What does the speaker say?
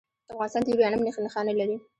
افغانستان د یورانیم نښې نښانې لري